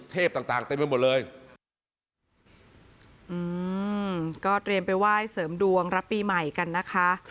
กดเล็งไปว่าอย่าเสริมดวงรับปีใหม่กันนะคะ